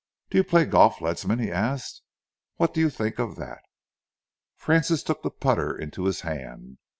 "Do you play golf, Ledsam?" he asked. "What do you think of that?" Francis took the putter into his hand.